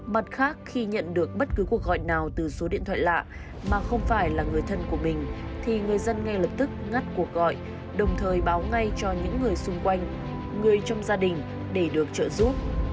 mặt khác khi nhận được bất cứ cuộc gọi nào từ số điện thoại lạ mà không phải là người thân của mình thì người dân ngay lập tức ngắt cuộc gọi đồng thời báo ngay cho những người xung quanh người trong gia đình để được trợ giúp